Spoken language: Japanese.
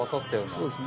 そうですね。